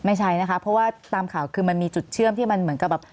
ไม่ใช่นะคะเพราะว่าตามข่าวคือมันมีจุดเชื่อมที่มันเหมือนกับแบบ